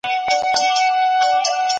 مغول به وروسته اصلاحات پيل کړي.